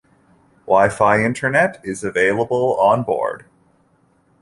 WiFi internet is available on board.